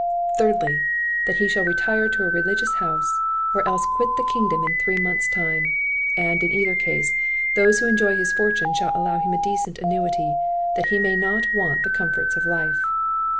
Thirdly, that he shall retire into a religious house, or else quit the kingdom in three months time; and, in either case, those who enjoy his fortune shall allow him a decent annuity, that he may not want the comforts of life.